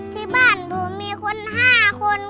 ที่บ้านผมมีคน๕คน